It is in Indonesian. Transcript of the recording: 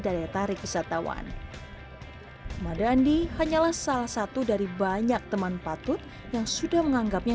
daya tarik wisatawan madandi hanyalah salah satu dari banyak teman patut yang sudah menganggapnya